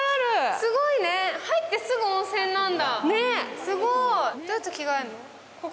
すごいね、入ってすぐ温泉なんだ